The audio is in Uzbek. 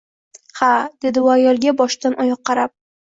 Ha, dedi u ayolga boshdan-oyoq qarab